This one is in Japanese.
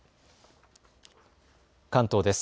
関東です。